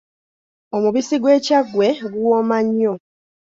Omubisi gw'e Kyaggwe guwooma nnyo.